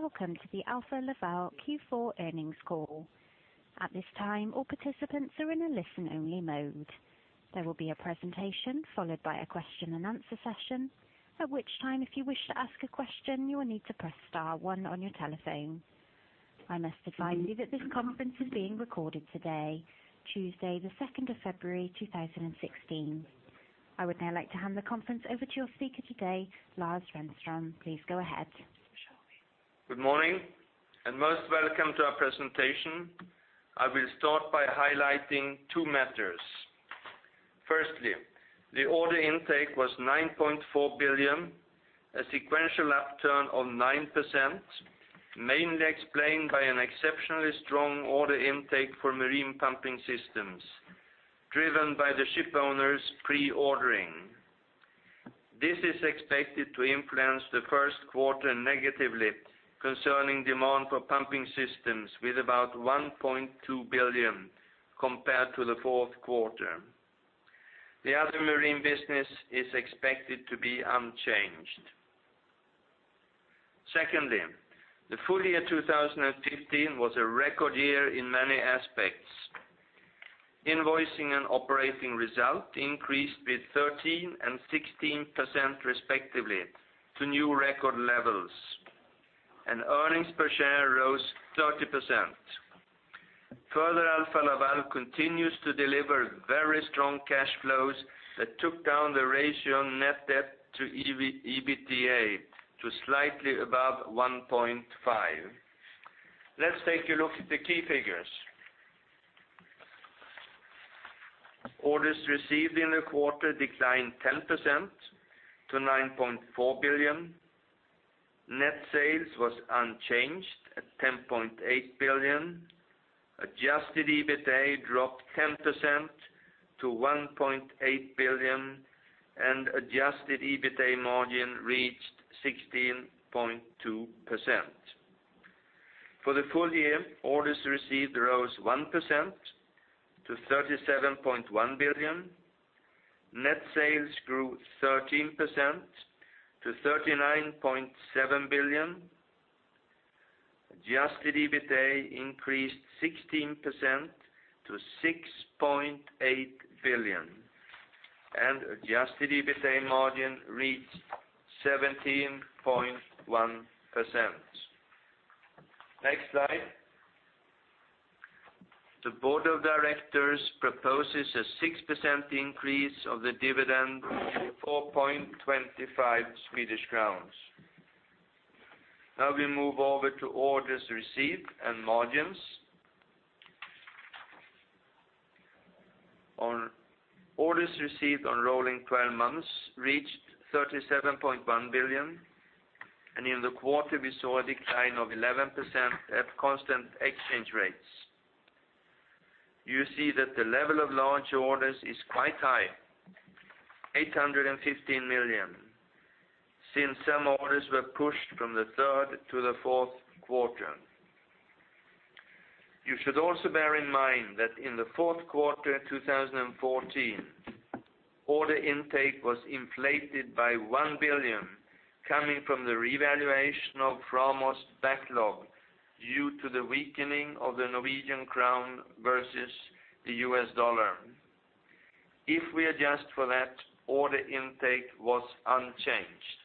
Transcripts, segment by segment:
Welcome to the Alfa Laval Q4 earnings call. At this time, all participants are in a listen-only mode. There will be a presentation followed by a question and answer session, at which time if you wish to ask a question, you will need to press star one on your telephone. I must advise you that this conference is being recorded today, Tuesday, the 2nd of February 2016. I would now like to hand the conference over to your speaker today, Lars Renström. Please go ahead. Good morning, and most welcome to our presentation. I will start by highlighting two matters. Firstly, the order intake was 9.4 billion, a sequential upturn of 9%, mainly explained by an exceptionally strong order intake for marine pumping systems, driven by the shipowners pre-ordering. This is expected to influence the first quarter negatively concerning demand for pumping systems with about 1.2 billion compared to the fourth quarter. The other marine business is expected to be unchanged. Secondly, the full year 2015 was a record year in many aspects. Invoicing and operating result increased with 13% and 16% respectively to new record levels, and earnings per share rose 30%. Further, Alfa Laval continues to deliver very strong cash flows that took down the ratio net debt to EBITDA to slightly above 1.5. Let's take a look at the key figures. Orders received in the quarter declined 10% to 9.4 billion. Net sales was unchanged at 10.8 billion. Adjusted EBITDA dropped 10% to 1.8 billion, and adjusted EBITDA margin reached 16.2%. For the full year, orders received rose 1% to 37.1 billion. Net sales grew 13% to 39.7 billion. Adjusted EBITDA increased 16% to 6.8 billion, and adjusted EBITDA margin reached 17.1%. Next slide. The board of directors proposes a 6% increase of the dividend to 4.25 Swedish crowns. Now we move over to orders received and margins. Orders received on rolling 12 months reached 37.1 billion. In the quarter we saw a decline of 11% at constant exchange rates. You see that the level of large orders is quite high, 815 million, since some orders were pushed from the third to the fourth quarter. You should also bear in mind that in the fourth quarter 2014, order intake was inflated by 1 billion coming from the revaluation of Frank Mohn AS's backlog due to the weakening of the Norwegian krone versus the US dollar. If we adjust for that, order intake was unchanged.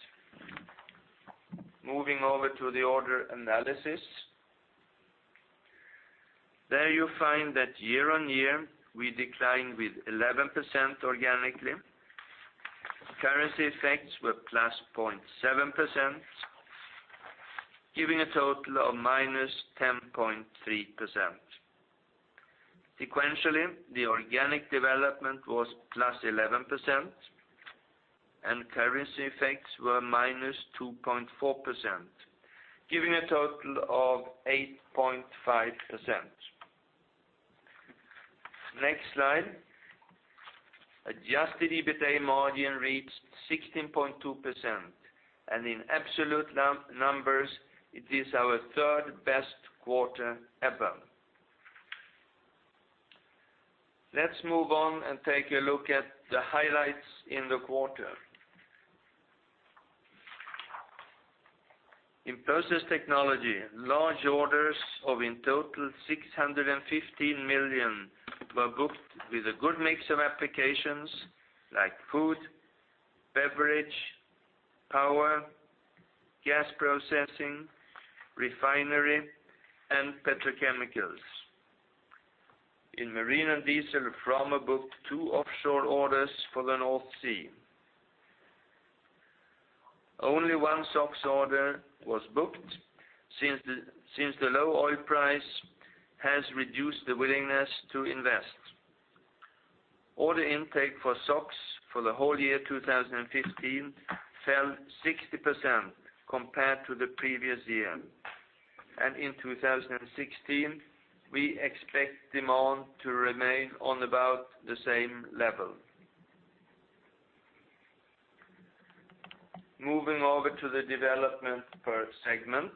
Moving over to the order analysis. There you find that year-on-year, we declined with 11% organically. Currency effects were plus 0.7%, giving a total of minus 10.3%. Sequentially, the organic development was plus 11%. Currency effects were minus 2.4%, giving a total of 8.5%. Next slide. Adjusted EBITDA margin reached 16.2%. In absolute numbers, it is our third-best quarter ever. Let's move on and take a look at the highlights in the quarter. In process technology, large orders of in total 615 million were booked with a good mix of applications like food, beverage, power, gas processing, refinery, and petrochemicals. In Marine and Diesel, Framo booked two offshore orders for the North Sea. Only one SOx order was booked since the low oil price has reduced the willingness to invest. Order intake for SOx for the whole year 2015 fell 60% compared to the previous year. In 2016, we expect demand to remain on about the same level. Moving over to the development per segment.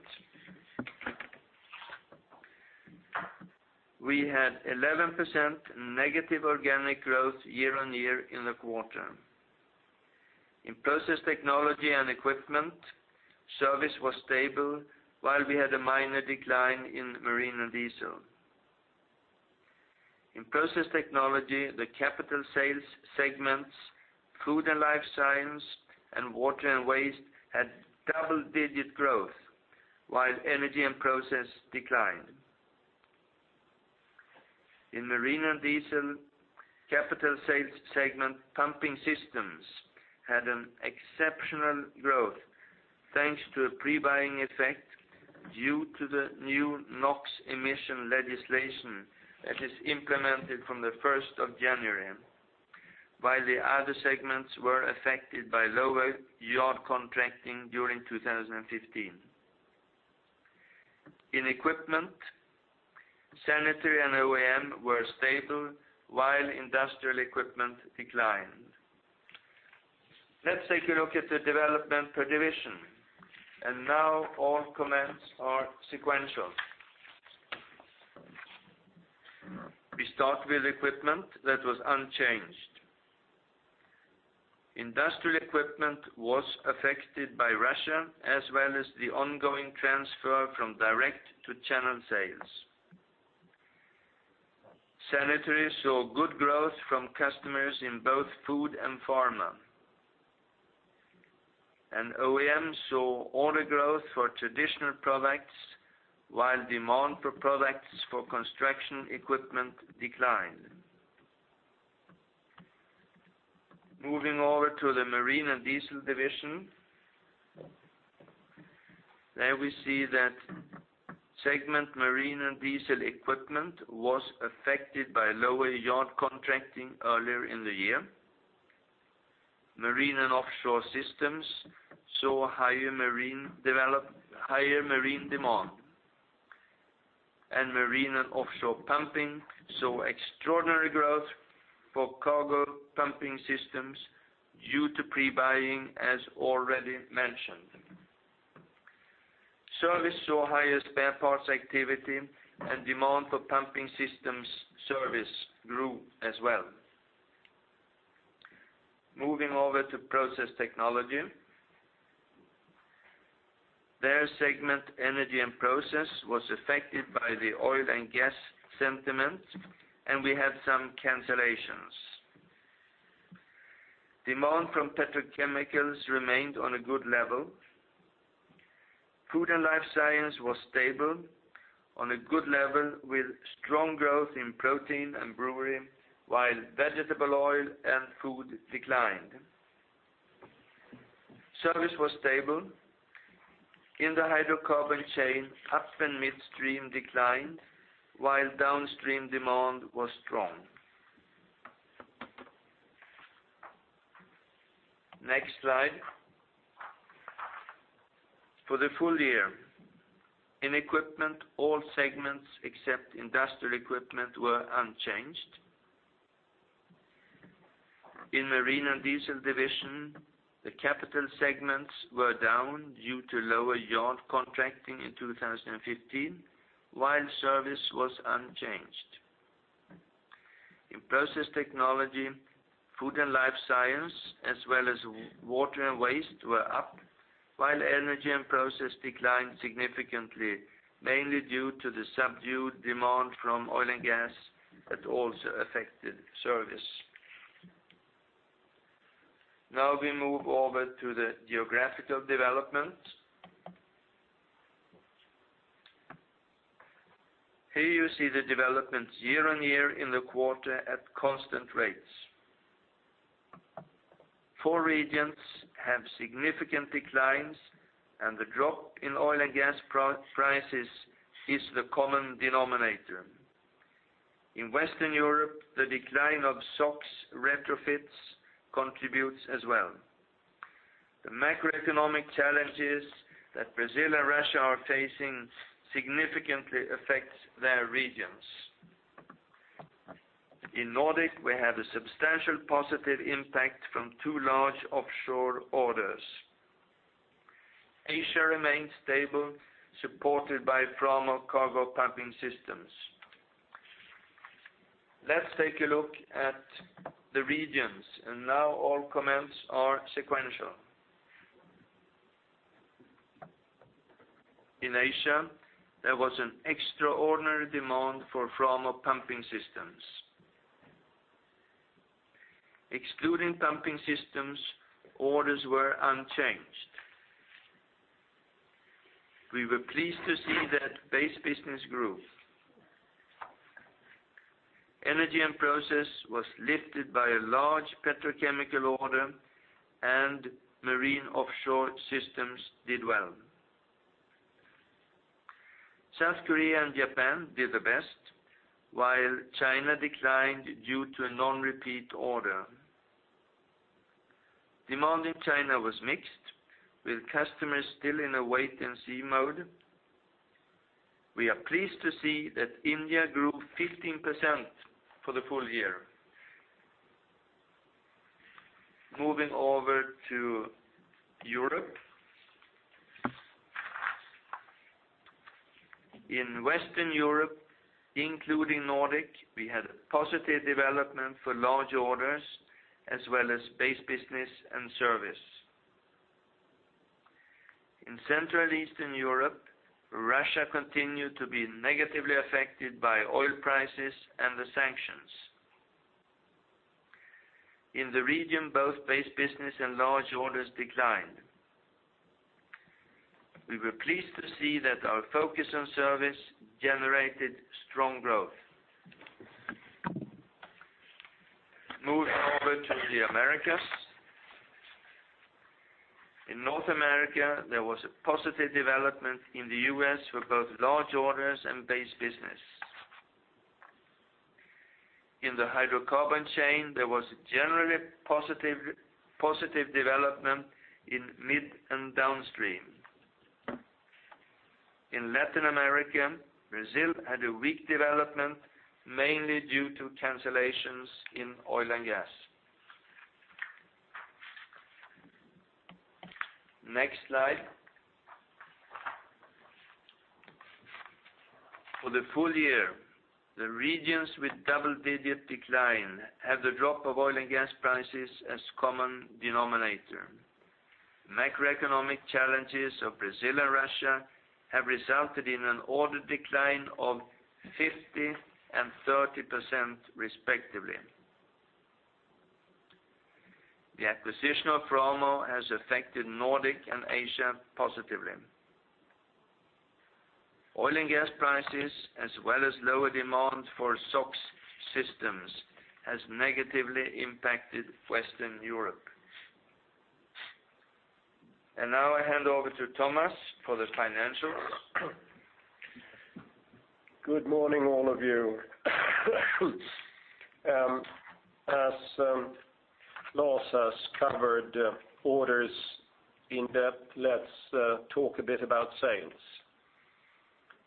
We had 11% negative organic growth year-on-year in the quarter. In Process Technology and Equipment, service was stable while we had a minor decline in Marine and Diesel. In Process Technology, the capital sales segments, Food and Life Science, and Water and Waste had double-digit growth, while Energy and Process declined. In Marine and Diesel, capital sales segment pumping systems had an exceptional growth thanks to a pre-buying effect due to the new NOx emission legislation that is implemented from the 1st of January, while the other segments were affected by lower yard contracting during 2015. In Equipment, Sanitary and OEM were stable, while Industrial Equipment declined. Let's take a look at the development per division. Now all comments are sequential. We start with Equipment that was unchanged. Industrial Equipment was affected by Russia, as well as the ongoing transfer from direct to channel sales. Sanitary saw good growth from customers in both Food and Pharma. OEM saw order growth for traditional products, while demand for products for construction equipment declined. Moving over to the Marine and Diesel Division. There we see that segment Marine and Diesel Equipment was affected by lower yard contracting earlier in the year. Marine and Offshore Systems saw higher marine demand. Marine and Offshore Pumping saw extraordinary growth for cargo pumping systems due to pre-buying, as already mentioned. Service saw higher spare parts activity and demand for pumping systems service grew as well. Moving over to Process Technology. There, segment Energy and Process was affected by the oil and gas sentiment, and we had some cancellations. Demand from petrochemicals remained on a good level. Food and Life Science was stable on a good level with strong growth in Protein and Brewery, while Vegetable Oil and Food declined. Service was stable. In the hydrocarbon chain, Up and Midstream declined, while Downstream demand was strong. Next slide. For the full year, in Equipment, all segments except Industrial Equipment were unchanged. In Marine and Diesel Division, the capital segments were down due to lower yard contracting in 2015, while service was unchanged. In Process Technology, Food and Life Science, as well as Water and Waste were up, while Energy and Process declined significantly, mainly due to the subdued demand from oil and gas that also affected service. We move over to the geographical development. Here you see the development year-on-year in the quarter at constant rates. Four regions have significant declines, and the drop in oil and gas prices is the common denominator. In Western Europe, the decline of SOx retrofits contributes as well. The macroeconomic challenges that Brazil and Russia are facing significantly affect their regions. In Nordic, we have a substantial positive impact from two large offshore orders. Asia remains stable, supported by Framo cargo pumping systems. Let's take a look at the regions. Now all comments are sequential. In Asia, there was an extraordinary demand for Framo pumping systems. Excluding pumping systems, orders were unchanged. We were pleased to see that base business grew. Energy and Process was lifted by a large petrochemical order, and Marine & Offshore Systems did well. South Korea and Japan did the best, while China declined due to a non-repeat order. Demand in China was mixed, with customers still in a wait-and-see mode. We are pleased to see that India grew 15% for the full year. Moving over to Europe. In Western Europe, including Nordic, we had a positive development for large orders, as well as base business and service. In Central Eastern Europe, Russia continued to be negatively affected by oil prices and the sanctions. In the region, both base business and large orders declined. We were pleased to see that our focus on service generated strong growth. Moving over to the Americas. In North America, there was a positive development in the U.S. for both large orders and base business. In the hydrocarbon chain, there was a generally positive development in mid and downstream. In Latin America, Brazil had a weak development, mainly due to cancellations in oil and gas. Next slide. For the full year, the regions with double-digit decline have the drop of oil and gas prices as common denominator. Macroeconomic challenges of Brazil and Russia have resulted in an order decline of 50% and 30%, respectively. The acquisition of Framo has affected Nordic and Asia positively. Oil and gas prices, as well as lower demand for SOx systems, has negatively impacted Western Europe. Now I hand over to Thomas for the financials. Good morning, all of you. As Lars has covered orders in depth, let's talk a bit about sales.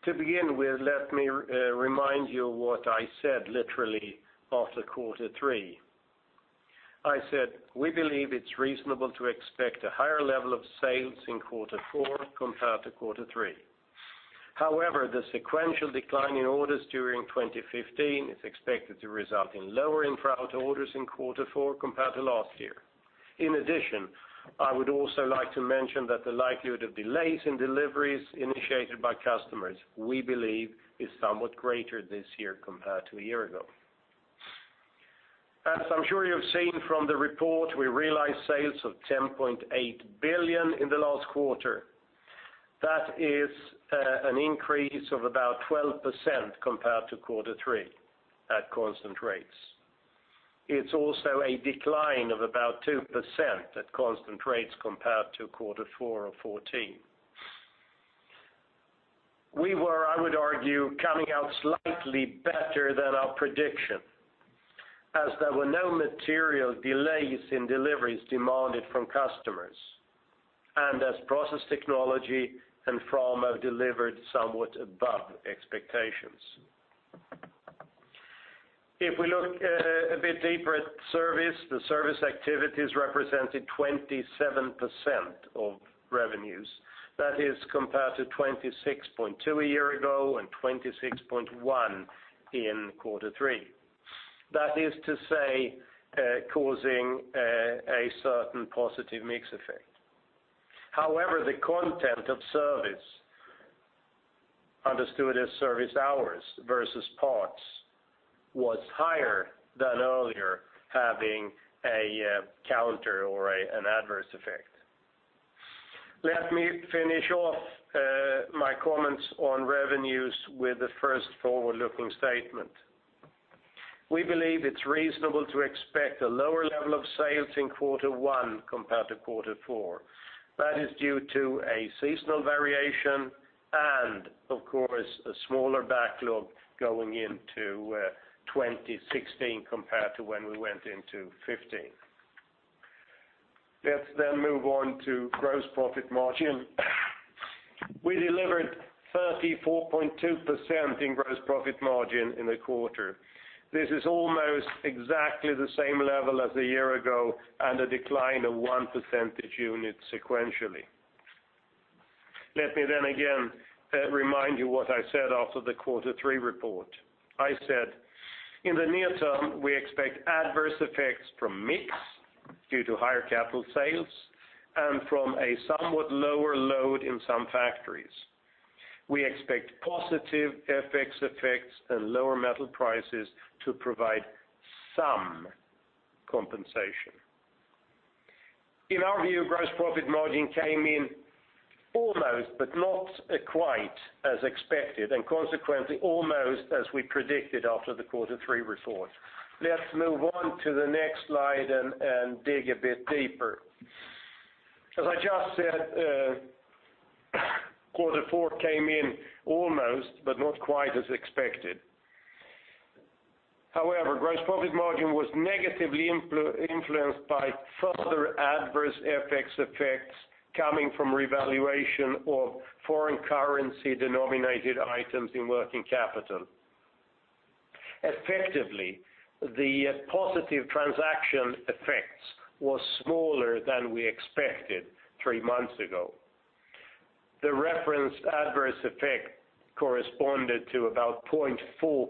To begin with, let me remind you of what I said literally after quarter 3. I said, "We believe it's reasonable to expect a higher level of sales in quarter 4 compared to quarter 3. However, the sequential decline in orders during 2015 is expected to result in lower in-for-out orders in quarter 4 compared to last year. In addition, I would also like to mention that the likelihood of delays in deliveries initiated by customers, we believe, is somewhat greater this year compared to a year ago." As I'm sure you have seen from the report, we realized sales of 10.8 billion in the last quarter. That is an increase of about 12% compared to quarter 3 at constant rates. It's also a decline of about 2% at constant rates compared to quarter 4 of 2014. We were, I would argue, coming out slightly better than our prediction, as there were no material delays in deliveries demanded from customers, and as Process Technology and Framo delivered somewhat above expectations. If we look a bit deeper at service, the service activities represented 27% of revenues. That is compared to 26.2% a year ago and 26.1% in quarter 3. That is to say, causing a certain positive mix effect. However, the content of service, understood as service hours versus parts, was higher than earlier, having a counter or an adverse effect. Let me finish off my comments on revenues with the first forward-looking statement. We believe it's reasonable to expect a lower level of sales in quarter 1 compared to quarter 4. That is due to a seasonal variation and, of course, a smaller backlog going into 2016 compared to when we went into 2015. Let's move on to gross profit margin. We delivered 34.2% in gross profit margin in the quarter. This is almost exactly the same level as a year ago and a decline of 1 percentage unit sequentially. Let me again remind you what I said after the quarter 3 report. I said, "In the near term, we expect adverse effects from mix due to higher capital sales and from a somewhat lower load in some factories. We expect positive FX effects and lower metal prices to provide some compensation." In our view, gross profit margin came in almost but not quite as expected, and consequently, almost as we predicted after the quarter 3 report. Let's move on to the next slide and dig a bit deeper. As I just said, quarter 4 came in almost but not quite as expected. However, gross profit margin was negatively influenced by further adverse FX effects coming from revaluation of foreign currency denominated items in working capital. Effectively, the positive transaction effects were smaller than we expected 3 months ago. The referenced adverse effect corresponded to about 0.4%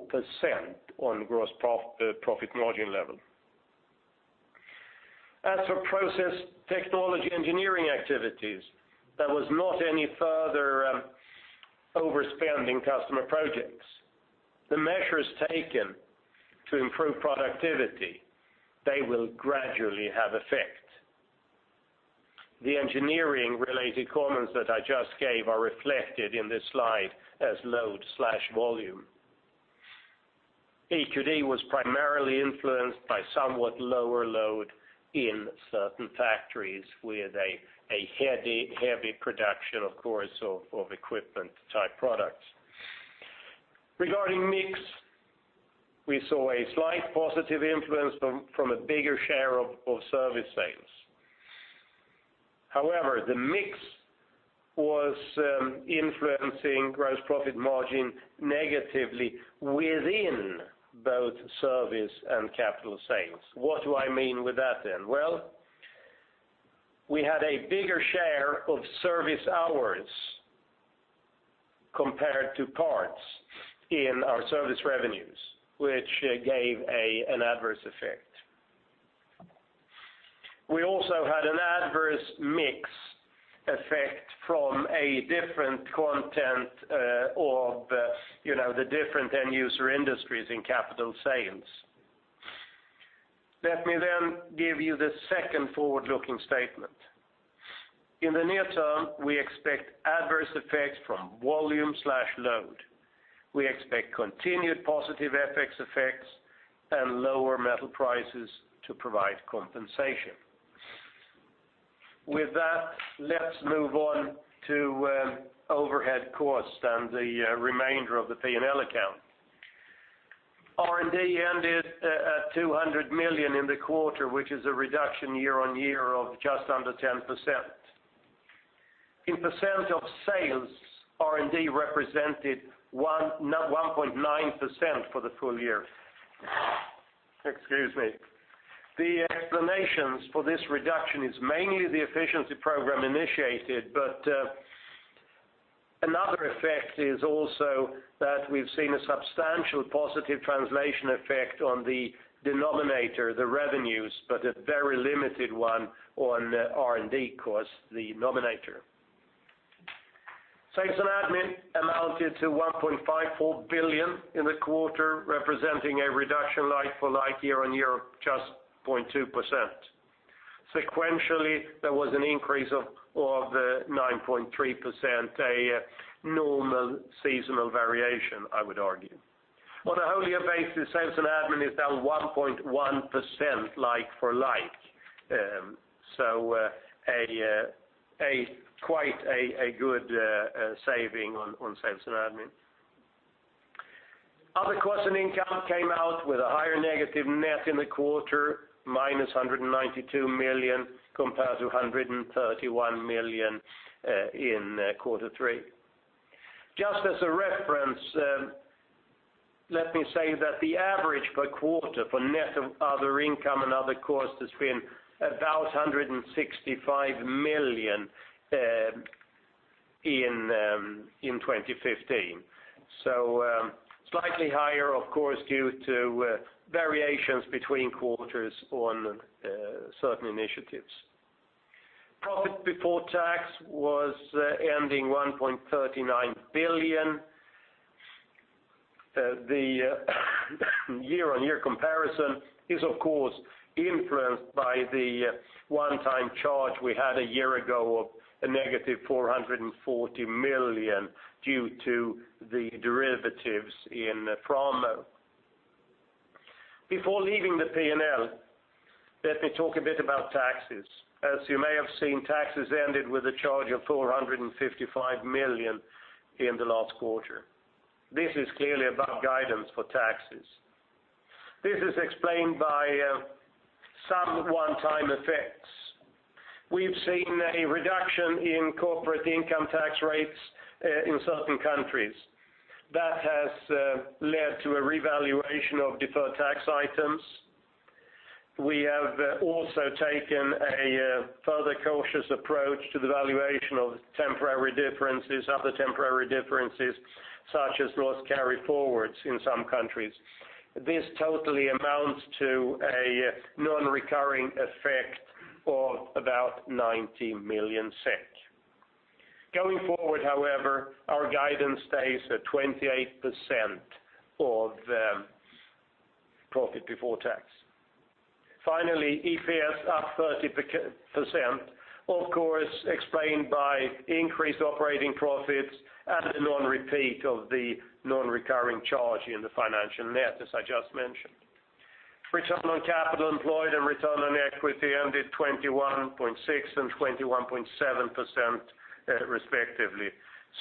on gross profit margin level. As for Process Technology engineering activities, there was not any further overspending customer projects. The measures taken to improve productivity, they will gradually have effect. The engineering-related comments that I just gave are reflected in this slide as load/volume. A2D was primarily influenced by somewhat lower load in certain factories with a heavy production, of course, of equipment-type products. Regarding mix, we saw a slight positive influence from a bigger share of service sales. The mix was influencing gross profit margin negatively within both service and capital sales. What do I mean with that? Well, we had a bigger share of service hours compared to parts in our service revenues, which gave an adverse effect. We also had an adverse mix effect from a different content of the different end user industries in capital sales. Let me give you the second forward-looking statement. In the near term, we expect adverse effects from volume/load. We expect continued positive FX effects and lower metal prices to provide compensation. With that, let's move on to overhead costs and the remainder of the P&L account. R&D ended at 200 million in the quarter, which is a reduction year-on-year of just under 10%. In percent of sales, R&D represented 1.9% for the full year. Excuse me. The explanations for this reduction is mainly the efficiency program initiated, but another effect is also that we've seen a substantial positive translation effect on the denominator, the revenues, but a very limited one on R&D costs, the nominator. Sales and admin amounted to 1.54 billion in the quarter, representing a reduction like-for-like year-on-year of just 0.2%. Sequentially, there was an increase of 9.3%, a normal seasonal variation, I would argue. On a whole year basis, sales and admin is down 1.1% like for like. Quite a good saving on sales and admin. Other costs and income came out with a higher negative net in the quarter, minus 192 million compared to 131 million in quarter 3. Just as a reference, let me say that the average per quarter for net other income and other costs has been about 165 million in 2015. Slightly higher, of course, due to variations between quarters on certain initiatives. Profit before tax was ending 1.39 billion. The year-on-year comparison is, of course, influenced by the one-time charge we had a year ago of a negative 440 million due to the derivatives in Framo. Before leaving the P&L, let me talk a bit about taxes. As you may have seen, taxes ended with a charge of 455 million in the last quarter. This is clearly above guidance for taxes. This is explained by some one-time effects. We've seen a reduction in corporate income tax rates in certain countries. That has led to a revaluation of deferred tax items. We have also taken a further cautious approach to the valuation of temporary differences, other temporary differences, such as loss carry-forwards in some countries. This totally amounts to a non-recurring effect of about 90 million SEK. Going forward, however, our guidance stays at 28% of profit before tax. EPS up 30%, of course explained by increased operating profits and the non-repeat of the non-recurring charge in the financial net, as I just mentioned. Return on capital employed and return on equity ended 21.6% and 21.7%, respectively.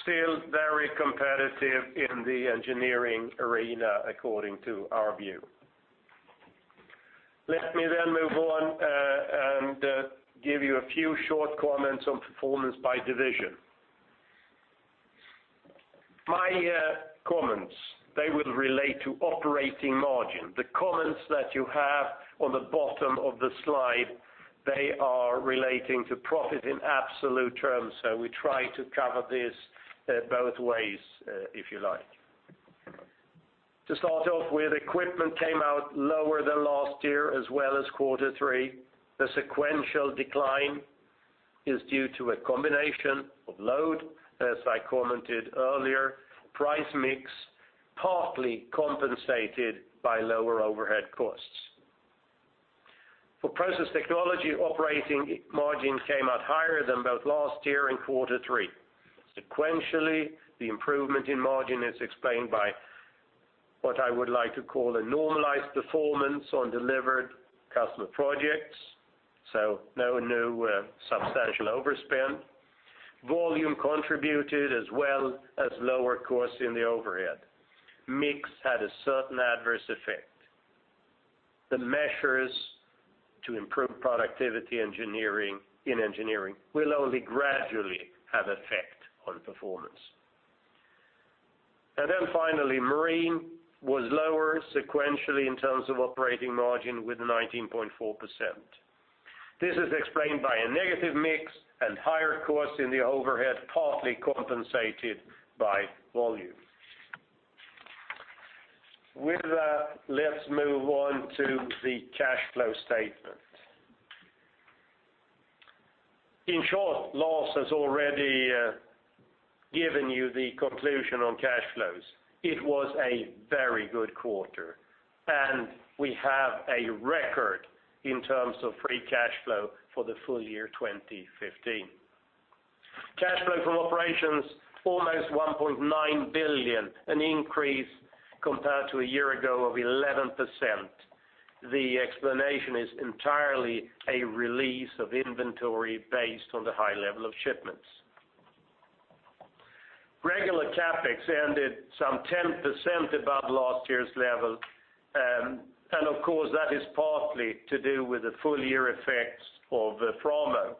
Still very competitive in the engineering arena, according to our view. Let me then move on and give you a few short comments on performance by division. My comments, they will relate to operating margin. The comments that you have on the bottom of the slide, they are relating to profit in absolute terms. We try to cover this both ways, if you like. To start off with, equipment came out lower than last year as well as quarter three. The sequential decline is due to a combination of load, as I commented earlier, price mix, partly compensated by lower overhead costs. For Process Technology, operating margin came out higher than both last year and quarter three. Sequentially, the improvement in margin is explained by what I would like to call a normalized performance on delivered customer projects, so no new substantial overspend. Volume contributed as well as lower cost in the overhead. Mix had a certain adverse effect. The measures to improve productivity in engineering will only gradually have effect on performance. Finally, marine was lower sequentially in terms of operating margin with 19.4%. This is explained by a negative mix and higher costs in the overhead, partly compensated by volume. With that, let's move on to the cash flow statement. In short, Lars has already given you the conclusion on cash flows. It was a very good quarter, and we have a record in terms of free cash flow for the full year 2015. Cash flow from operations, almost 1.9 billion, an increase compared to a year ago of 11%. The explanation is entirely a release of inventory based on the high level of shipments. Regular CapEx ended some 10% above last year's level, and of course, that is partly to do with the full year effects of Framo.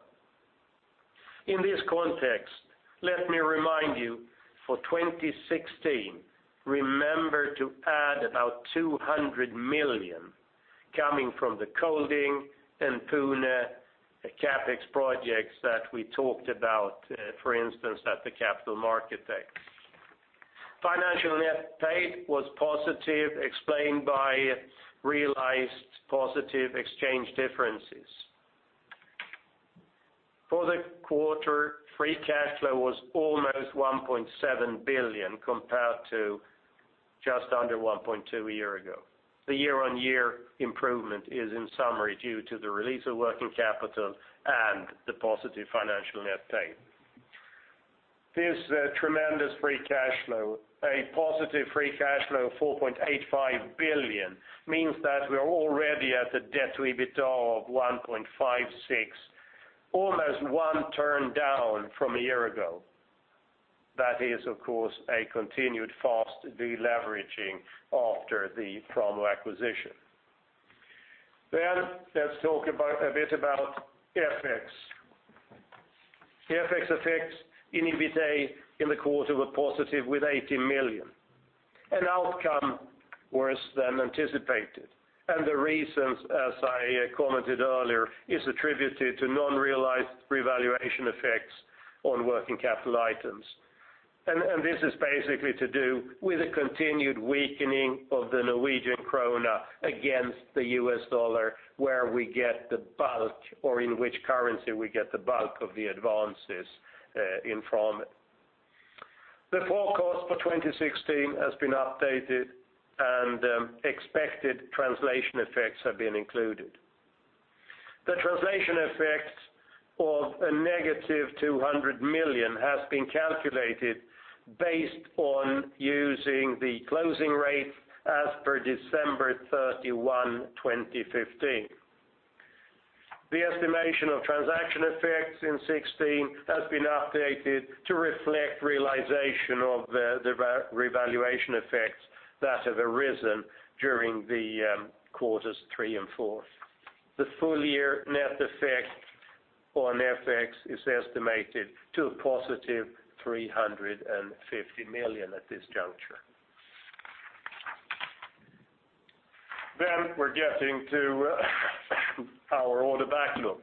In this context, let me remind you, for 2016, remember to add about 200 million coming from the Kolding and Pune CapEx projects that we talked about, for instance, at the Capital Market Day. Financial net paid was positive, explained by realized positive exchange differences. For the quarter, free cash flow was almost 1.7 billion compared to just under 1.2 a year ago. The year-on-year improvement is in summary due to the release of working capital and the positive financial net paid. This tremendous free cash flow, a positive free cash flow of 4.85 billion, means that we are already at a debt EBITDA of 1.56, almost one turn down from a year ago. That is, of course, a continued fast deleveraging after the Framo acquisition. Let us talk a bit about FX. FX effects in EBITA in the quarter were positive with 80 million. An outcome worse than anticipated. The reasons, as I commented earlier, is attributed to non-realized revaluation effects on working capital items. This is basically to do with the continued weakening of the Norwegian krone against the US dollar, where we get the bulk, or in which currency we get the bulk of the advances in Framo. The forecast for 2016 has been updated, and expected translation effects have been included. The translation effects of a negative 200 million has been calculated based on using the closing rate as per December 31, 2015. The estimation of transaction effects in 2016 has been updated to reflect realization of the revaluation effects that have arisen during the quarters three and four. The full-year net effect on FX is estimated to a positive 350 million at this juncture. Then we are getting to our order backlog.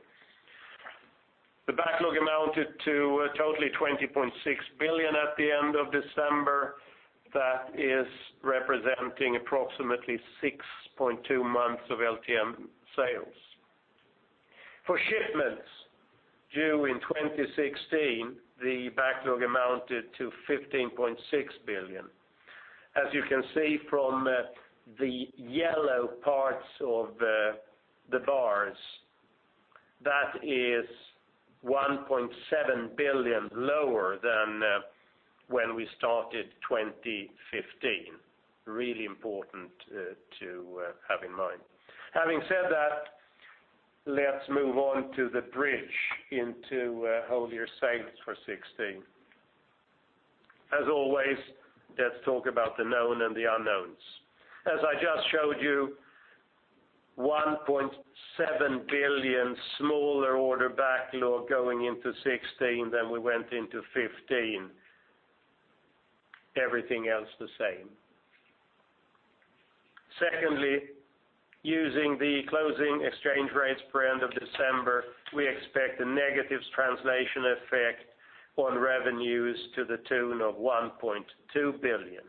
The backlog amounted to a totally 20.6 billion at the end of December. That is representing approximately 6.2 months of LTM sales. For shipments due in 2016, the backlog amounted to 15.6 billion. As you can see from the yellow parts of the bars, that is 1.7 billion lower than when we started 2015. Really important to have in mind. Having said that, let us move on to the bridge into whole year sales for 2016. As always, let us talk about the known and the unknowns. As I just showed you, 1.7 billion smaller order backlog going into 2016 than we went into 2015. Everything else the same. Secondly, using the closing exchange rates for end of December, we expect a negative translation effect on revenues to the tune of 1.2 billion.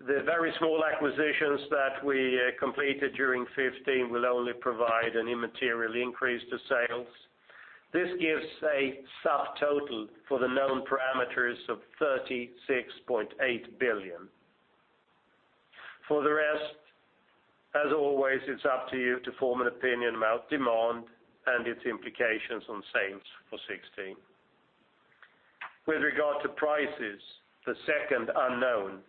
The very small acquisitions that we completed during 2015 will only provide an immaterial increase to sales. This gives a subtotal for the known parameters of 36.8 billion. For the rest, as always, it is up to you to form an opinion about demand and its implications on sales for 2016. With regard to prices, the second unknown,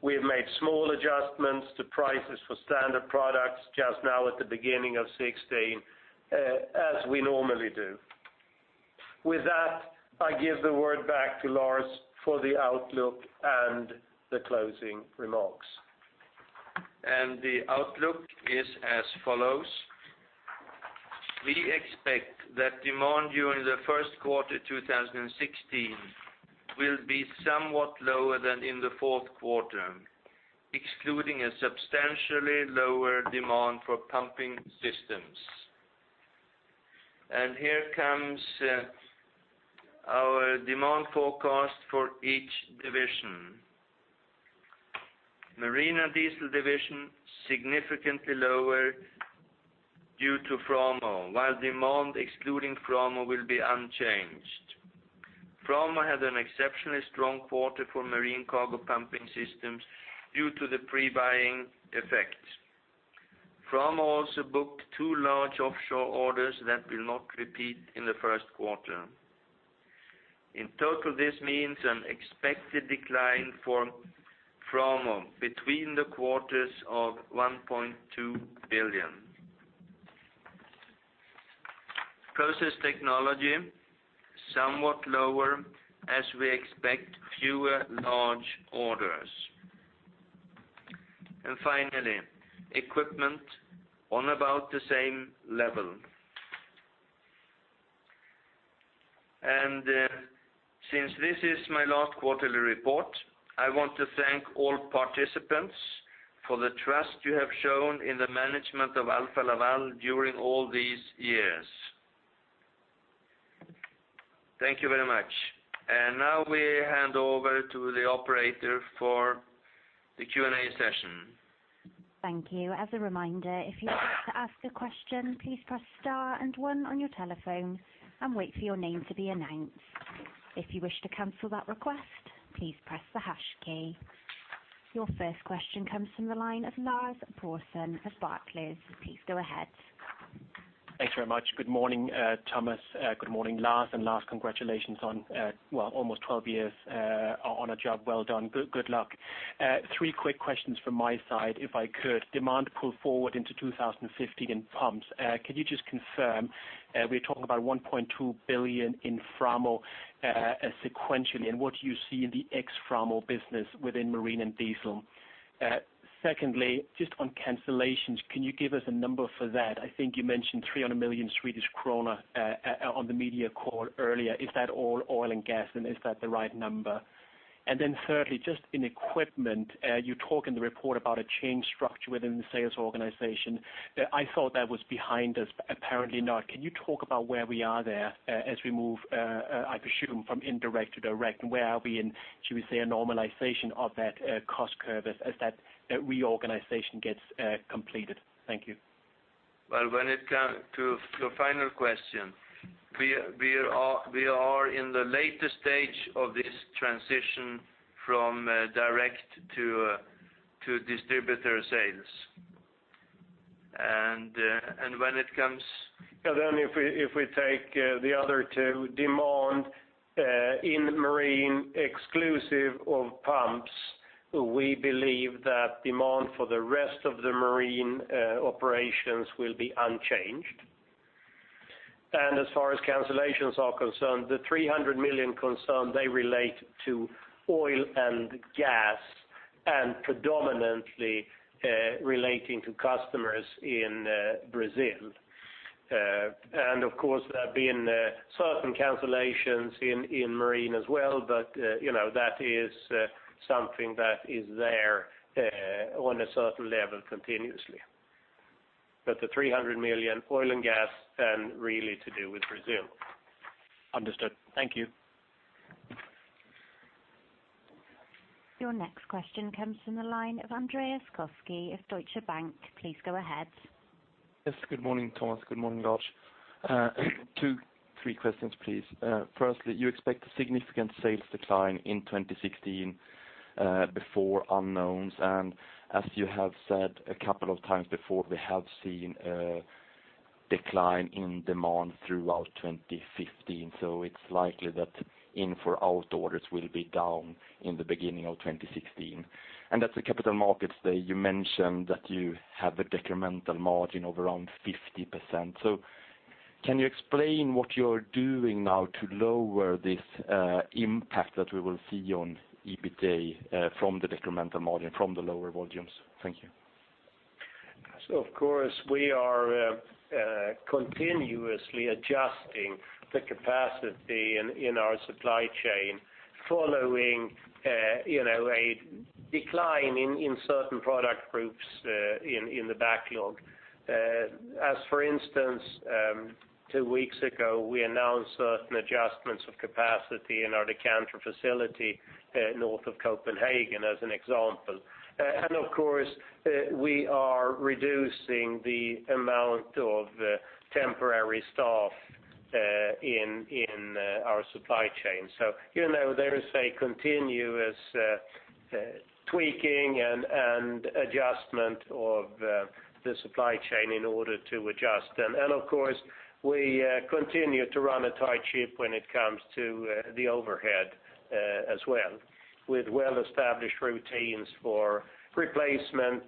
we have made small adjustments to prices for standard products just now at the beginning of 2016, as we normally do. With that, I give the word back to Lars for the outlook and the closing remarks. The outlook is as follows. We expect that demand during the first quarter 2016 will be somewhat lower than in the fourth quarter, excluding a substantially lower demand for pumping systems. Here comes our demand forecast for each division. Marine and Diesel division, significantly lower due to Framo, while demand excluding Framo will be unchanged. Framo had an exceptionally strong quarter for marine cargo pumping systems due to the pre-buying effect. Framo also booked two large offshore orders that will not repeat in the first quarter. In total, this means an expected decline for Framo between the quarters of 1.2 billion. Process technology, somewhat lower as we expect fewer large orders. Finally, equipment, on about the same level. Since this is my last quarterly report, I want to thank all participants for the trust you have shown in the management of Alfa Laval during all these years. Thank you very much. Now we hand over to the operator for the Q&A session. Thank you. As a reminder, if you'd like to ask a question, please press star and one on your telephone and wait for your name to be announced. If you wish to cancel that request, please press the hash key. Your first question comes from the line of Lars Brorson of Barclays. Please go ahead. Thanks very much. Good morning, Thomas. Good morning, Lars. Lars, congratulations on almost 12 years on a job. Well done. Good luck. Three quick questions from my side, if I could. Demand pull forward into 2015 in pumps, can you just confirm, we're talking about 1.2 billion in Framo sequentially, and what do you see in the ex-Framo business within Marine and Diesel? Secondly, just on cancellations, can you give us a number for that? I think you mentioned 300 million Swedish krona on the media call earlier. Is that all oil and gas, and is that the right number? Then thirdly, just in equipment, you talk in the report about a change structure within the sales organization. I thought that was behind us, but apparently not. Can you talk about where we are there as we move, I presume, from indirect to direct? Where are we in, should we say, a normalization of that cost curve as that reorganization gets completed? Thank you. To your final question, we are in the later stage of this transition from direct to distributor sales. If we take the other two, demand in marine, exclusive of pumps, we believe that demand for the rest of the marine operations will be unchanged. As far as cancellations are concerned, the 300 million concerned, they relate to oil and gas, predominantly relating to customers in Brazil. Of course, there have been certain cancellations in marine as well, but that is something that is there on a certain level continuously. The 300 million, oil and gas, really to do with Brazil. Understood. Thank you. Your next question comes from the line of Andreas Koski of Deutsche Bank. Please go ahead. Yes, good morning, Thomas. Good morning, Lars. two, three questions, please. Firstly, you expect a significant sales decline in 2016, before unknowns. As you have said a couple of times before, we have seen a decline in demand throughout 2015. It's likely that in-for-out orders will be down in the beginning of 2016. At the Capital Markets Day, you mentioned that you have a decremental margin of around 50%. Can you explain what you're doing now to lower this impact that we will see on EBITA from the decremental margin, from the lower volumes? Thank you. Of course, we are continuously adjusting the capacity in our supply chain following a decline in certain product groups in the backlog. As for instance, two weeks ago, we announced certain adjustments of capacity in our decanter facility north of Copenhagen, as an example. Of course, we are reducing the amount of temporary staff in our supply chain. There is a continuous tweaking and adjustment of the supply chain in order to adjust. Of course, we continue to run a tight ship when it comes to the overhead as well, with well-established routines for replacement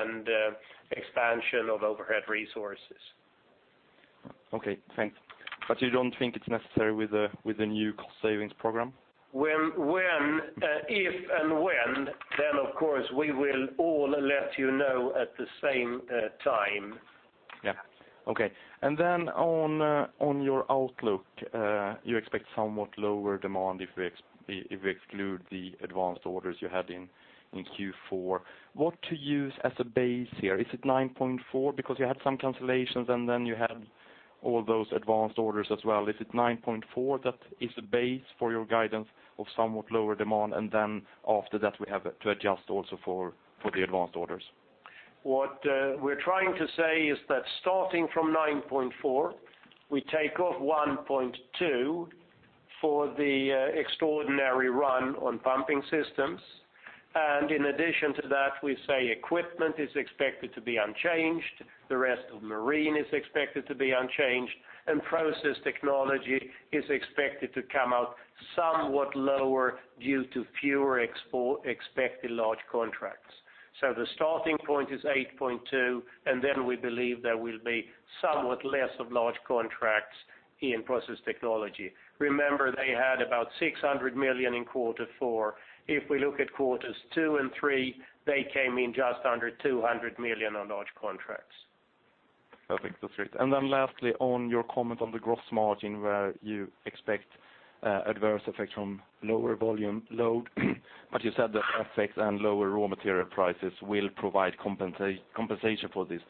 and expansion of overhead resources. Okay, thanks. You don't think it's necessary with the new cost savings program? If and when, of course, we will all let you know at the same time. Yeah. Okay. On your outlook, you expect somewhat lower demand if we exclude the advanced orders you had in Q4. What to use as a base here? Is it 9.4? You had some cancellations and you had all those advanced orders as well. Is it 9.4 that is the base for your guidance of somewhat lower demand, and after that, we have to adjust also for the advanced orders? What we're trying to say is that starting from 9.4, we take off 1.2 for the extraordinary run on pumping systems. In addition to that, we say equipment is expected to be unchanged, the rest of marine is expected to be unchanged, and Process Technology is expected to come out somewhat lower due to fewer expected large contracts. The starting point is 8.2, we believe there will be somewhat less of large contracts in Process Technology. Remember, they had about 600 million in quarter four. If we look at quarters two and three, they came in just under 200 million on large contracts. Perfect. That's great. Lastly, on your comment on the gross margin where you expect adverse effects from lower volume load, you said the effects and lower raw material prices will provide compensation for this.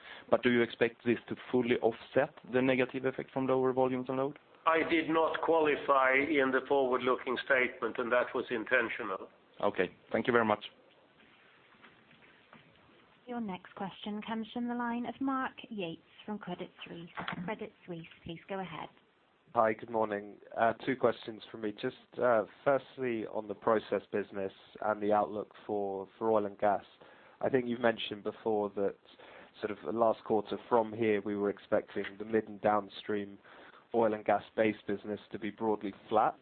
Do you expect this to fully offset the negative effect from lower volumes and load? I did not qualify in the forward-looking statement, and that was intentional. Okay. Thank you very much. Your next question comes from the line of Max Yates from Credit Suisse. Credit Suisse, please go ahead. Hi, good morning. Two questions from me. Just firstly, on the process business and the outlook for oil and gas. I think you've mentioned before that sort of last quarter from here, we were expecting the mid and downstream oil and gas-based business to be broadly flat.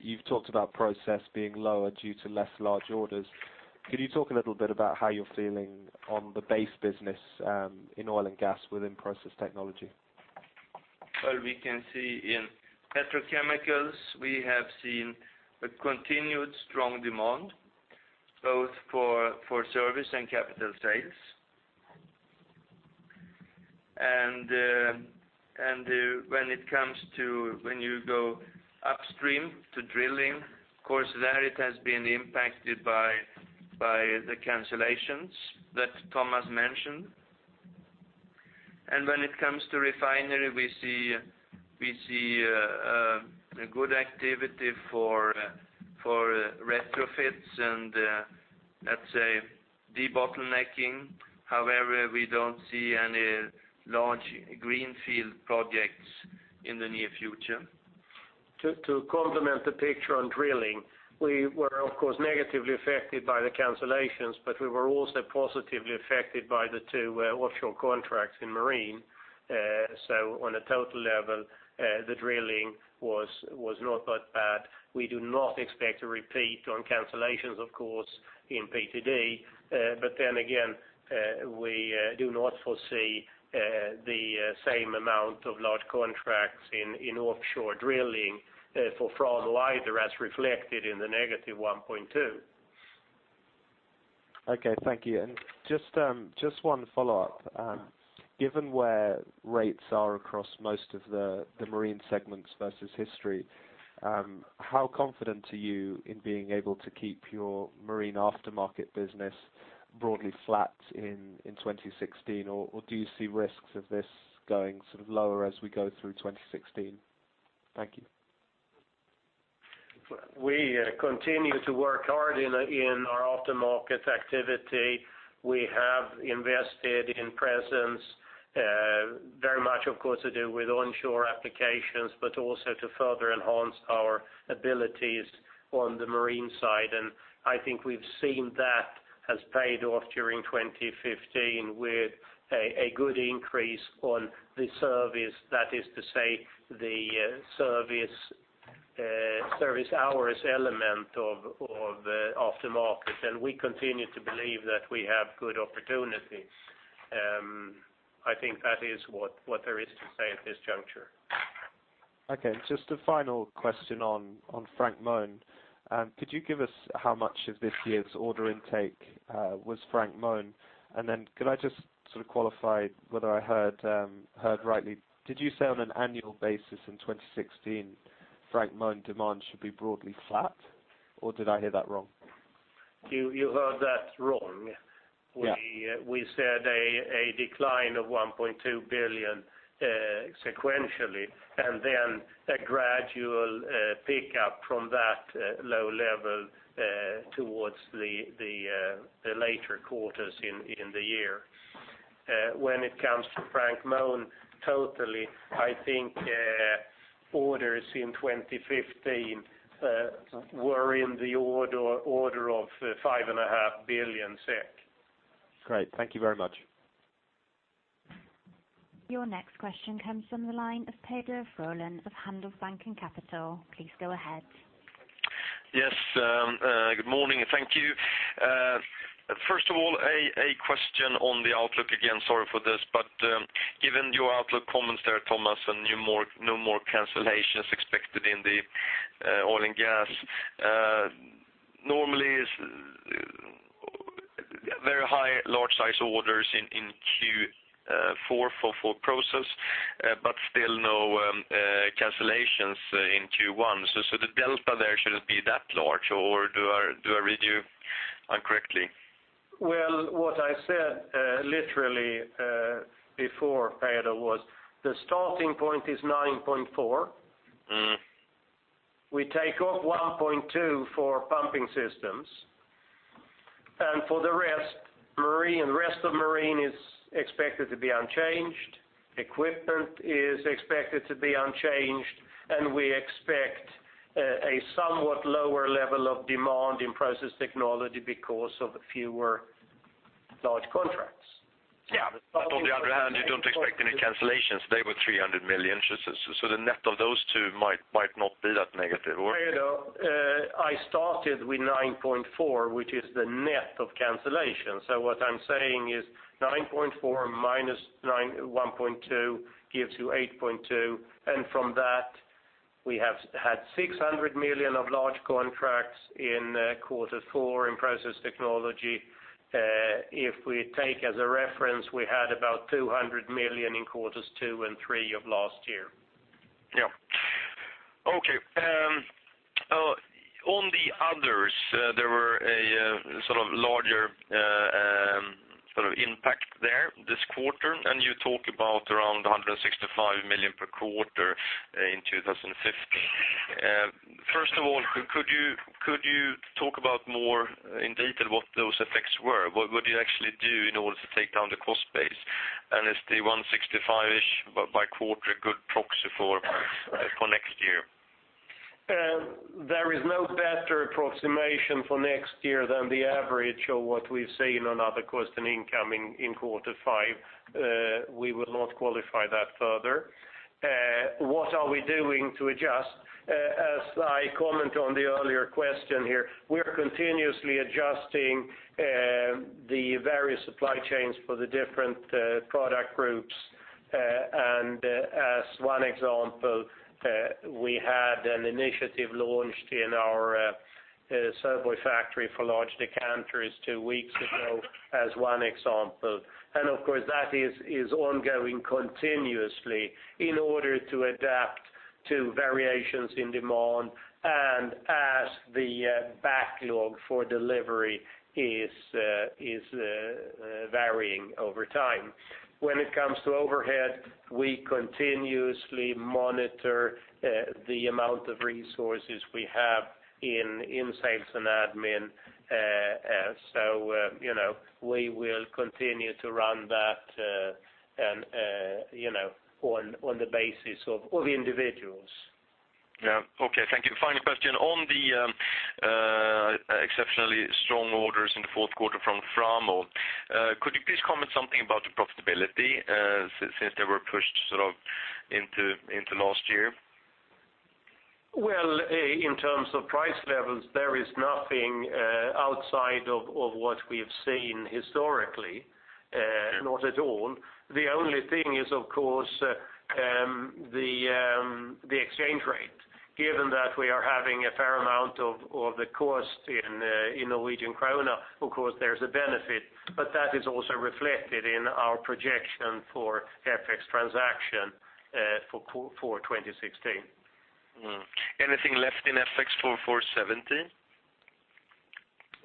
You've talked about process being lower due to less large orders. Could you talk a little bit about how you're feeling on the base business in oil and gas within process technology? We can see in petrochemicals, we have seen a continued strong demand, both for service and capital sales. When you go upstream to drilling, of course there it has been impacted by the cancellations that Thomas mentioned. When it comes to refinery, we see a good activity for retrofits and let's say de-bottlenecking. However, we don't see any large greenfield projects in the near future. To complement the picture on drilling, we were of course, negatively affected by the cancellations, but we were also positively affected by the two offshore contracts in marine. On a total level, the drilling was not that bad. We do not expect a repeat on cancellations, of course, in PTD. Then again, we do not foresee the same amount of large contracts in offshore drilling for [front lighter], as reflected in the negative 1.2. Okay, thank you. Just one follow-up. Given where rates are across most of the marine segments versus history, how confident are you in being able to keep your marine aftermarket business broadly flat in 2016? Do you see risks of this going sort of lower as we go through 2016? Thank you. We continue to work hard in our aftermarket activity. We have invested in presence, very much, of course, to do with onshore applications, but also to further enhance our abilities on the marine side. I think we've seen that has paid off during 2015 with a good increase on the service. That is to say, the service hours element of the aftermarket, we continue to believe that we have good opportunities. I think that is what there is to say at this juncture. Okay. Just a final question on Frank Mohn. Could you give us how much of this year's order intake was Frank Mohn? Could I just sort of qualify whether I heard rightly. Did you say on an annual basis in 2016, Frank Mohn demand should be broadly flat, or did I hear that wrong? You heard that wrong. Yeah. We said a decline of 1.2 billion sequentially, then a gradual pickup from that low level towards the later quarters in the year. When it comes to Frank Mohn totally, I think orders in 2015 were in the order of 5.5 billion SEK. Great. Thank you very much. Your next question comes from the line of Peder Frölén of Handelsbanken Capital. Please go ahead. Yes. Good morning. Thank you. First of all, a question on the outlook. Again, sorry for this, but given your outlook comments there, Thomas, no more cancellations expected in the oil and gas. Normally, very high large size orders in Q4 for process, but still no cancellations in Q1. The delta there shouldn't be that large or do I read you incorrectly? Well, what I said literally before, Peder, was the starting point is 9.4. We take off 1.2 for pumping systems. For the rest, the rest of marine is expected to be unchanged. Equipment is expected to be unchanged. We expect a somewhat lower level of demand in Process Technology because of fewer large contracts. Yeah. On the other hand, you don't expect any cancellations. They were 300 million. The net of those two might not be that negative or? Peder, I started with 9.4, which is the net of cancellation. What I'm saying is 9.4 minus 1.2 gives you 8.2. From that, we have had 600 million of large contracts in quarter four in process technology. If we take as a reference, we had about 200 million in quarters two and three of last year. Yeah. Okay. On the others, there were a sort of larger impact there this quarter. You talk about around 165 million per quarter in 2015. First of all, could you talk about more in detail what those effects were? What do you actually do in order to take down the cost base? Is the 165-ish by quarter a good proxy for next year? There is no better approximation for next year than the average of what we've seen on other cost and income in quarter five. We will not qualify that further. What are we doing to adjust? As I comment on the earlier question here, we're continuously adjusting the various supply chains for the different product groups. As one example, we had an initiative launched in our Søborg factory for large decanters two weeks ago as one example. Of course, that is ongoing continuously in order to adapt to variations in demand and as the backlog for delivery is varying over time. When it comes to overhead, we continuously monitor the amount of resources we have in sales and admin. We will continue to run that on the basis of all the individuals. Yeah. Okay. Thank you. Final question. On the exceptionally strong orders in the fourth quarter from Framo, could you please comment something about the profitability, since they were pushed into last year? Well, in terms of price levels, there is nothing outside of what we have seen historically. Not at all. The only thing is, of course, the exchange rate. Given that we are having a fair amount of the cost in Norwegian krone, of course, there's a benefit. That is also reflected in our projection for FX transaction for 2016. Anything left in FX for 2017?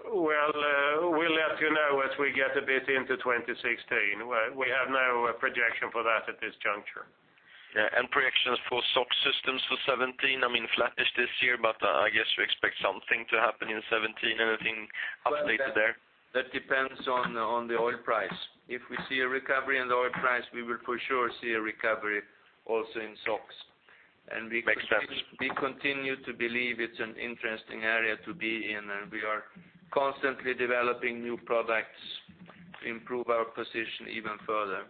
Well, we'll let you know as we get a bit into 2016. We have no projection for that at this juncture. Yeah. Projections for Subsea systems for 2017? I mean, flattish this year, but I guess you expect something to happen in 2017. Anything updated there? That depends on the oil price. If we see a recovery in the oil price, we will for sure see a recovery also in Subsea. Makes sense. We continue to believe it's an interesting area to be in, and we are constantly developing new products to improve our position even further.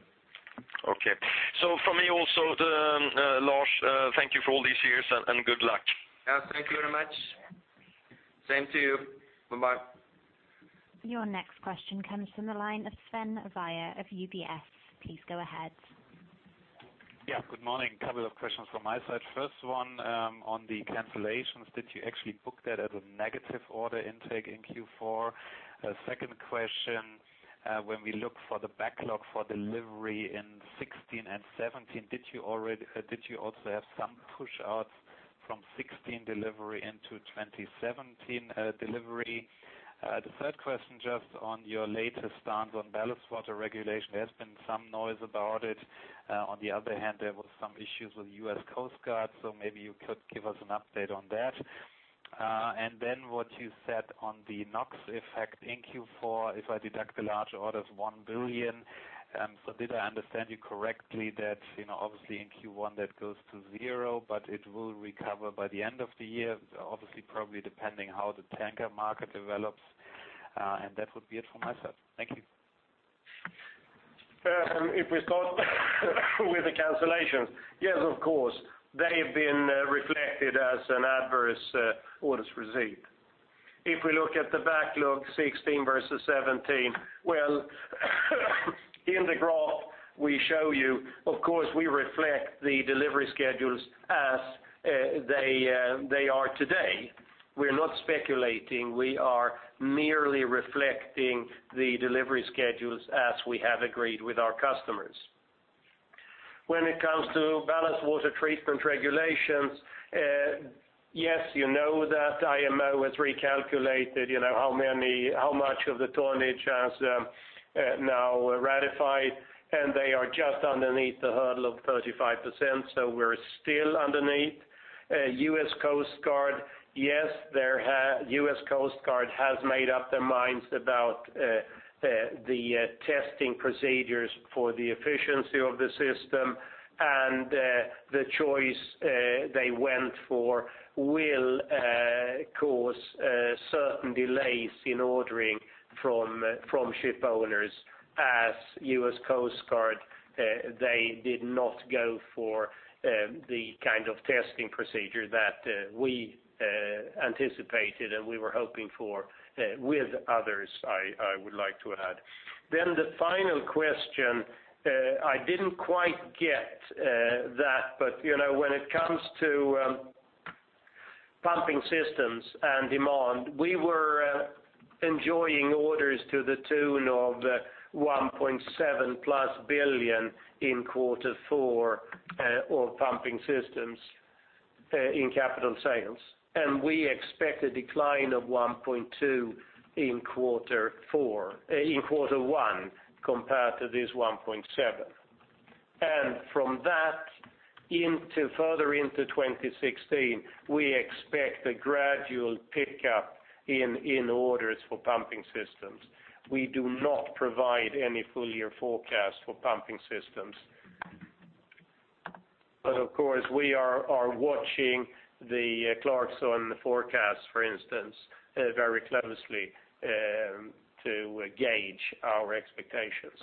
Okay. From me also, Lars, thank you for all these years and good luck. Yeah. Thank you very much. Same to you. Bye-bye. Your next question comes from the line of Sven Weier of UBS. Please go ahead. Yeah. Good morning. Couple of questions from my side. First one on the cancellations, did you actually book that as a negative order intake in Q4? Second question, when we look for the backlog for delivery in 2016 and 2017, did you also have some push outs from 2016 delivery into 2017 delivery? The third question, just on your latest stance on ballast water regulation, there has been some noise about it. On the other hand, there were some issues with US Coast Guard, so maybe you could give us an update on that. And then what you said on the NOx effect in Q4, if I deduct the large orders, 1 billion. Did I understand you correctly that, obviously in Q1 that goes to zero, but it will recover by the end of the year, obviously, probably depending how the tanker market develops? That would be it from my side. Thank you. If we start with the cancellations. Yes, of course, they've been reflected as an adverse orders received. If we look at the backlog 2016 versus 2017. Well, in the graph we show you, of course, we reflect the delivery schedules as they are today. We are not speculating, we are merely reflecting the delivery schedules as we have agreed with our customers. When it comes to Ballast water treatment regulations, yes, you know that IMO has recalculated how much of the tonnage has now ratified, and they are just underneath the hurdle of 35%, so we are still underneath. U.S. Coast Guard, yes, U.S. Coast Guard has made up their minds about the testing procedures for the efficiency of the system. The choice they went for will cause certain delays in ordering from ship owners as U.S. Coast Guard, they did not go for the kind of testing procedure that we anticipated and we were hoping for, with others, I would like to add. The final question, I did not quite get that, when it comes to pumping systems and demand, we were enjoying orders to the tune of 1.7+ billion in Q4, or pumping systems in capital sales. We expect a decline of 1.2 billion in Q1 compared to this 1.7 billion. From that, further into 2016, we expect a gradual pickup in orders for pumping systems. We do not provide any full year forecast for pumping systems. Of course, we are watching the Clarksons forecast, for instance, very closely to gauge our expectations.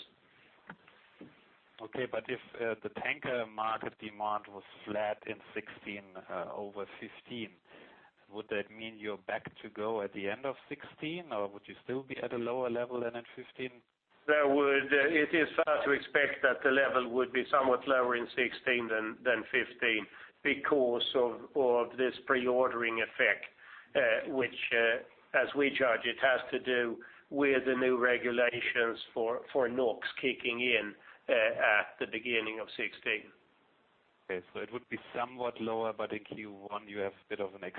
Okay, if the tanker market demand was flat in 2016 over 2015, would that mean you are back to go at the end of 2016, or would you still be at a lower level than in 2015? It is fair to expect that the level would be somewhat lower in 2016 than 2015 because of this pre-ordering effect, which, as we judge, it has to do with the new regulations for NOx kicking in at the beginning of 2016. Okay, it would be somewhat lower, in Q1 you have a bit of an.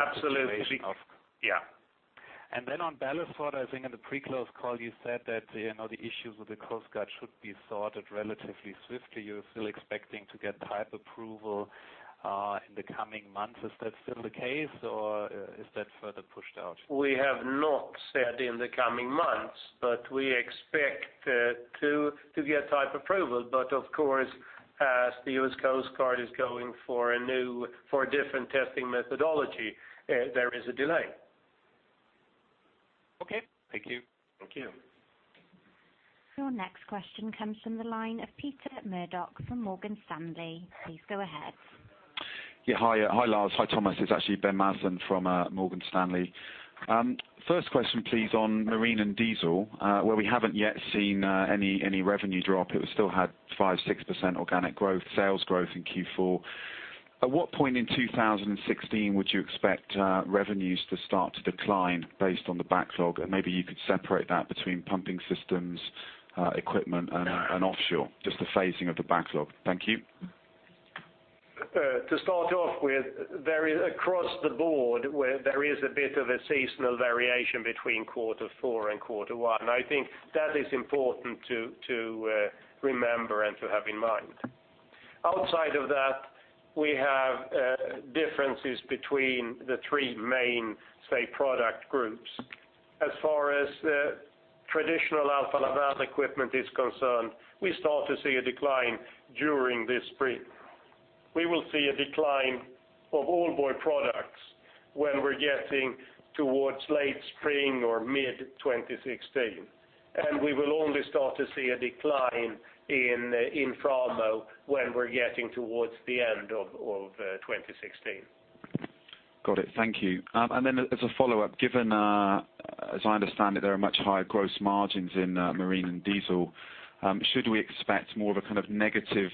Absolutely Yeah. On ballast water, I think in the pre-close call, you said that the issues with the Coast Guard should be sorted relatively swiftly. You're still expecting to get type approval in the coming months. Is that still the case, or is that further pushed out? We have not said in the coming months, we expect to get type approval. Of course, as the US Coast Guard is going for a different testing methodology, there is a delay. Okay. Thank you. Thank you. Your next question comes from the line of Ben Maslen from Morgan Stanley. Please go ahead. Yeah. Hi, Lars. Hi, Thomas. It's actually Ben Maslen from Morgan Stanley. First question, please, on marine and diesel, where we haven't yet seen any revenue drop. It still had 5%, 6% organic growth, sales growth in Q4. At what point in 2016 would you expect revenues to start to decline based on the backlog? Maybe you could separate that between pumping systems, equipment, and offshore, just the phasing of the backlog. Thank you. To start off with, across the board, there is a bit of a seasonal variation between quarter four and quarter one. I think that is important to remember and to have in mind. Outside of that, we have differences between the three main, say, product groups. As far as traditional Alfa Laval equipment is concerned, we start to see a decline during this spring. We will see a decline of all byproducts when we're getting towards late spring or mid-2016, and we will only start to see a decline in Framo when we're getting towards the end of 2016. Got it. Thank you. As a follow-up, given, as I understand it, there are much higher gross margins in marine and diesel, should we expect more of a negative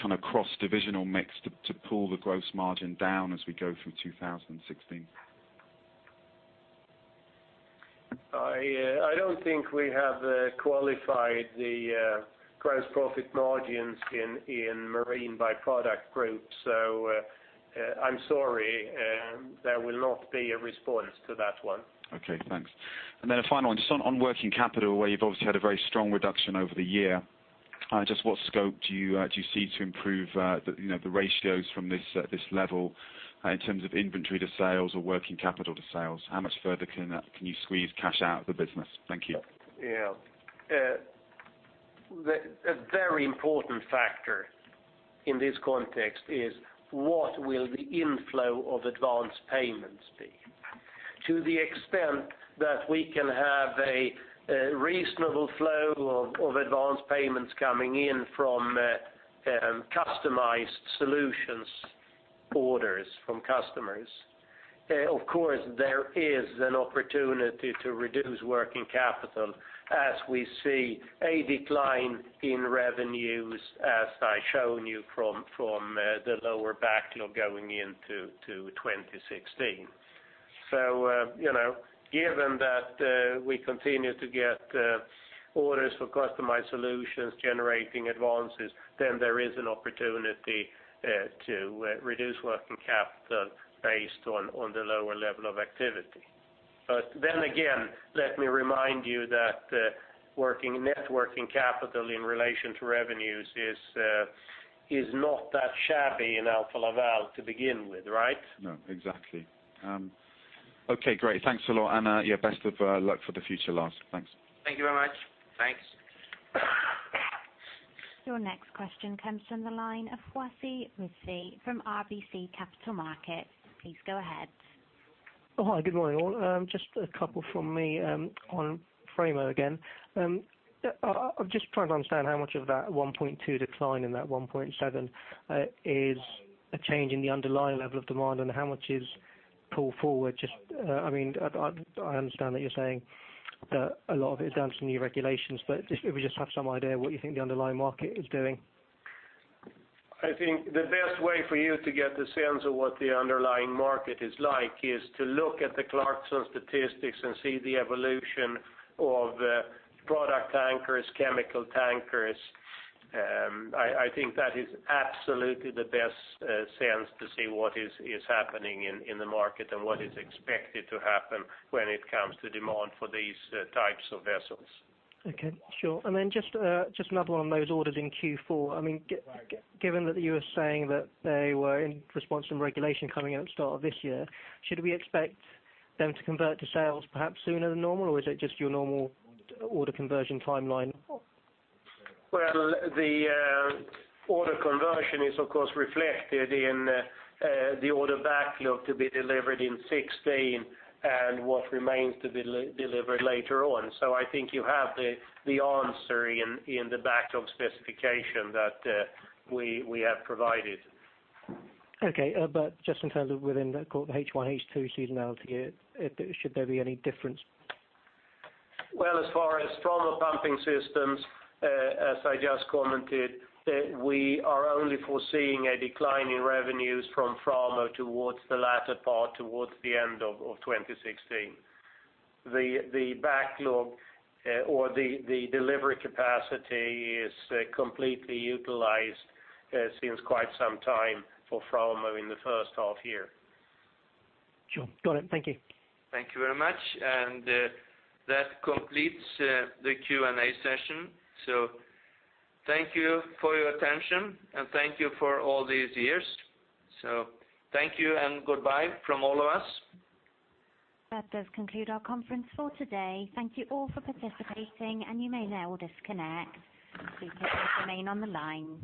kind of cross-divisional mix to pull the gross margin down as we go through 2016? I don't think we have qualified the gross profit margins in marine by product group, so I'm sorry, there will not be a response to that one. Okay, thanks. A final one. Just on working capital, where you've obviously had a very strong reduction over the year. Just what scope do you see to improve the ratios from this level in terms of inventory to sales or working capital to sales? How much further can you squeeze cash out of the business? Thank you. Yeah. A very important factor in this context is what will the inflow of advanced payments be? To the extent that we can have a reasonable flow of advanced payments coming in from customized solutions orders from customers. Of course, there is an opportunity to reduce working capital as we see a decline in revenues, as I've shown you from the lower backlog going into 2016. Given that we continue to get orders for customized solutions generating advances, there is an opportunity to reduce working capital based on the lower level of activity. Again, let me remind you that net working capital in relation to revenues is not that shabby in Alfa Laval to begin with, right? No, exactly. Okay, great. Thanks a lot. Yeah, best of luck for the future, Lars. Thanks. Thank you very much. Thanks. Your next question comes from the line of Wasi Rizvi from RBC Capital Markets. Please go ahead. Oh, hi. Good morning, all. Just a couple from me on Framo again. I'm just trying to understand how much of that 1.2 decline in that 1.7 is a change in the underlying level of demand and how much is pulled forward. I understand that you're saying that a lot of it is down to new regulations, if we just have some idea what you think the underlying market is doing. Okay, sure. I think the best way for you to get the sense of what the underlying market is like is to look at the Clarksons statistics and see the evolution of product tankers, chemical tankers. I think that is absolutely the best sense to see what is happening in the market and what is expected to happen when it comes to demand for these types of vessels. Okay, sure. Just another one on those orders in Q4. Given that you were saying that they were in response to regulation coming out start of this year, should we expect them to convert to sales perhaps sooner than normal, or is it just your normal order conversion timeline? Well, the order conversion is, of course, reflected in the order backlog to be delivered in 2016 and what remains to be delivered later on. I think you have the answer in the backlog specification that we have provided. Okay. Just in terms of within the H1, H2 seasonality here, should there be any difference? Well, as far as Framo pumping systems, as I just commented, we are only foreseeing a decline in revenues from Framo towards the latter part, towards the end of 2016. The backlog or the delivery capacity is completely utilized since quite some time for Framo in the first half year. Sure. Got it. Thank you. Thank you very much. That completes the Q&A session. Thank you for your attention and thank you for all these years. Thank you and goodbye from all of us. That does conclude our conference for today. Thank you all for participating, and you may now disconnect. Please remain on the line.